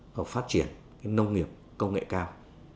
vào phát triển nông nghiệp công nghệ cao